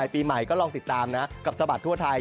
ปีใหม่ก็ลองติดตามนะกับสะบัดทั่วไทย